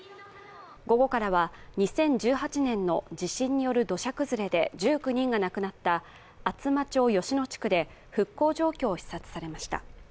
午後からは２０１８年の地震による土砂崩れで１９人が亡くなった厚保町吉野地区で復興状況を視察されました。